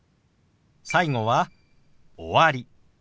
最後は「終わり」。